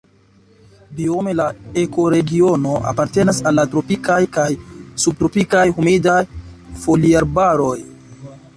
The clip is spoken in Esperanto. Biome la ekoregiono apartenas al la tropikaj kaj subtropikaj humidaj foliarbaroj.